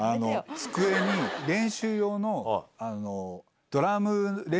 机に練習用の。